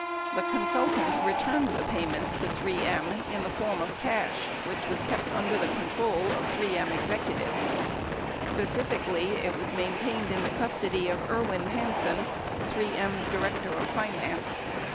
The consultant returned the payments to 3 M in the form of cash which was kept under the control of 3 M executives. Specifically, it was maintained in the custody of Irwin Hansen, 3 M's director of finance.